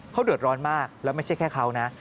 เขาเดือดร้อนมากแล้วไม่ใช่แค่เขานะ